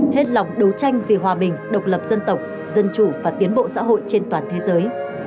hết lòng đấu tranh vì hòa bình độc lập dân tộc dân chủ và tiến bộ xã hội trên toàn thế giới